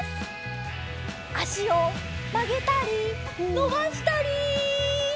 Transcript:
あしをまげたりのばしたり！